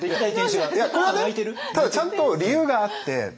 これはねただちゃんと理由があって。